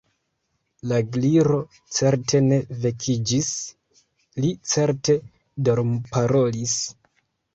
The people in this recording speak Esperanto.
La Gliro certe ne vekiĝis, li certe dormparolis.